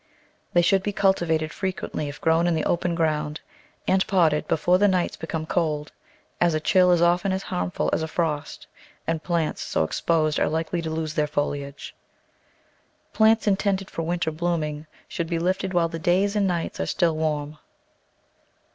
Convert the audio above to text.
They should be cultivated frequently if grown in the open ground and potted before the nights become cold, as a chill is often as harmful as frost, and plants so exposed are likely to lose their foliage. Plants intended for winter blooming should be lifted while the days and nights are still warm.